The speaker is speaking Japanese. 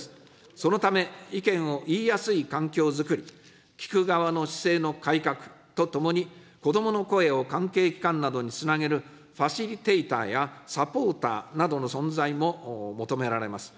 そのため、意見を言いやすい環境づくり、聴く側の姿勢の改革とともに、子どもの声を関係機関などにつなげるファシリテーターやサポーターなどの存在も求められます。